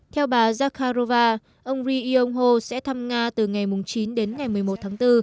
theo bà jakarrova ông ri yong ho sẽ thăm nga từ ngày chín đến ngày một mươi một tháng bốn